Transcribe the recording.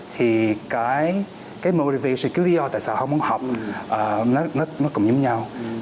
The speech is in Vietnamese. thì cái motivation cái lý do tại sao họ muốn học nó cũng giống nhau